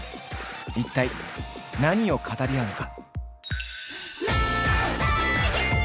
一体何を語り合うのか？